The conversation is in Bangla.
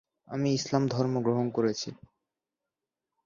আমি ইসলাম ধর্ম গ্রহণ করেছি।